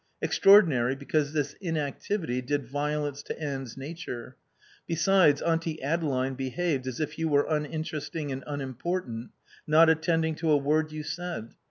Extraordinary, because this inactivity did violence to Anne's nature; besides, Auntie Adeline behaved as if you were uninteresting and unimportant, not attending to a word you said.